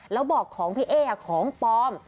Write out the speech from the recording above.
แล้วบอกของพี่เอ๊ของปลอม